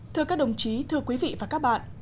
thưa các đồng chí thưa quý vị và các bạn